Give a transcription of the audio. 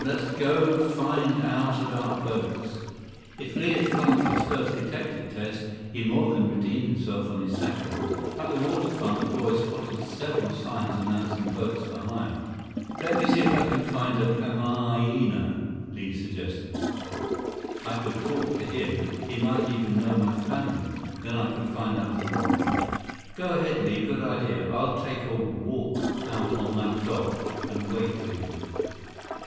Let's go find out about boats." If Li had flunked his first detective test, he more than redeemed himself on his second. At the waterfront, the boys spotted several signs announcing boats for hire. "Let me see if I can find a kamaaina," Li suggested. "I could talk to him. He might even know my family, then I could find out a lot." "Go ahead, Li. Good idea. I'll take a walk out on that dock and wait for you."